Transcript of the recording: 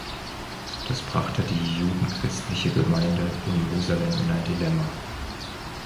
Das brachte die judenchristliche Gemeinde in Jerusalem in ein Dilemma.